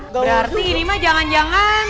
berarti ini mah jangan jangan